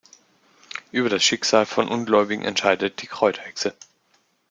Über das Schicksal von Ungläubigen entscheidet die Kräuterhexe.